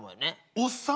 おっさん？